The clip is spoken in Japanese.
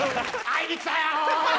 会いに来たよ！